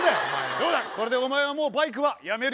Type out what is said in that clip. どうだこれでお前はもうバイクはやめるよな？